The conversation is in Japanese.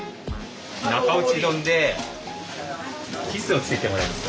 中落ち丼できすをつけてもらえます？